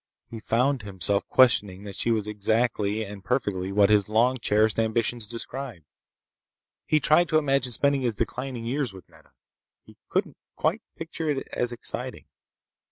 He found himself questioning that she was exactly and perfectly what his long cherished ambitions described. He tried to imagine spending his declining years with Nedda. He couldn't quite picture it as exciting.